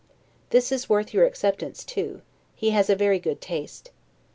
This is worth your acceptance too; he has a very good taste.